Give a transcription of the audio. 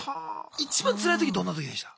一番つらい時どんな時でした？